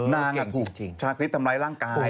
นางอ่ะถูกชาติฤทธิ์ทำร้ายร่างกาย